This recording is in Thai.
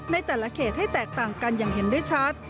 ในแต่ละเขตให้แตกต่างกันอย่างเห็นได้ชัด